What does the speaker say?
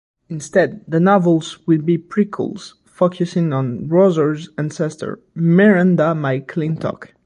Instead the novels will be prequels, focusing on Roger's ancestor, Miranda McClintock.